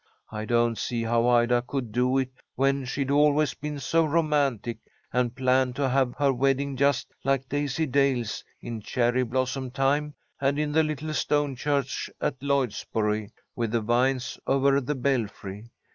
I don't see how Ida could do it when she'd always been so romantic, and planned to have her wedding just like Daisy Dale's, in cherry blossom time, and in the little stone church at Lloydsboro, with the vines over the belfry.